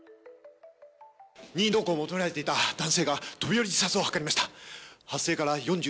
任意同行を求められていた男性が飛び降り自殺を図りました。